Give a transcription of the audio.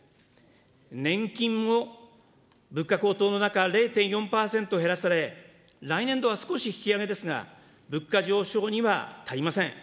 年金も物価高騰の中、０．４％減らされ、来年度は少し引き上げですが、物価上昇には足りません。